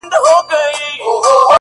نو زه یې څنگه د مذهب تر گرېوان و نه نیسم